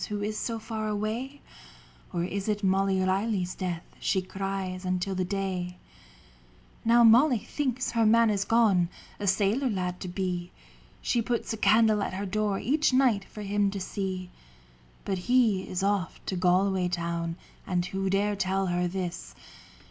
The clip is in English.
Who is so far away ? Or is it Molly Reilly's death She cries until the day ? Now Molly thinks her man is gone A sailor lad to be ; She puts a candle at her door Each night for him to see. 5(5 THE BANSHEE 57 But he is off to Galway town, (And who dare tell her this